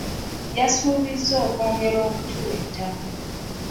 Yasuubizza okwongera okutuwa ettaka.